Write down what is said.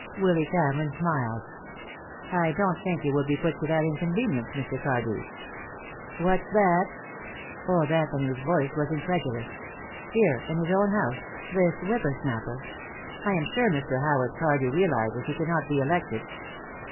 Willy Cameron smiled. "I don't think you will be put to that inconvenience, Mr. Cardew." "What's that?" Old Anthony's voice was incredulous. Here, in his own house, this whipper snapper "I am sure Mr. Howard Cardew realizes he cannot be elected."